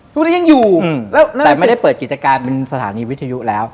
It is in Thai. ทุกวันนี้ยังอยู่แต่ไม่ได้เปิดกิจการเป็นสถานีวิทยุแล้ว